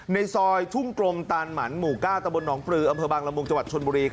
ในซอยทุ่งกลมตานหมันหมู่๙ตะบนหนองปลืออำเภอบางละมุงจังหวัดชนบุรี